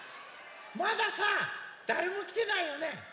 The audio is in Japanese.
まださだれもきてないよね。